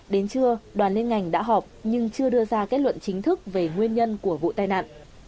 đến trưa đoàn liên ngành đã họp nhưng chưa đưa ra kết luận chính thức về nguyên nhân của vụ tai nạn